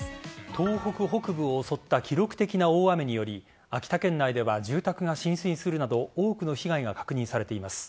東北北部を襲った記録的な大雨により秋田県内では住宅が浸水するなど多くの被害が確認されています。